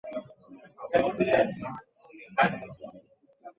Nazrul Islam Shah Makhdum Textile Mills Limited নামে একটি company প্রতিষ্ঠা করেন।